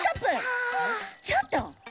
ちょっと！